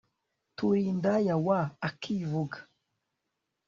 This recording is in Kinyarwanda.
turi indaya wa akivuga